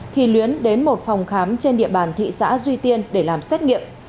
thì luyến đến một phòng khám trên địa bàn thị xã duy tiên để làm xét nghiệm